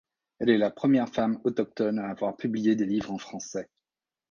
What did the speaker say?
Elle est la première femme autochtone à avoir publié des livres en français.